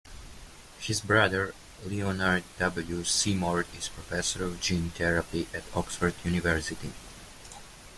His brother Leonard W. Seymour is Professor of gene therapy at Oxford University.